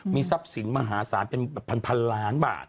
มีทรัพย์สินมหาศาลเป็นแบบพันล้านบาท